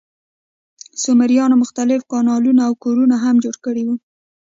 سومریانو مختلف کانالونه او کورونه هم جوړ کړي وو.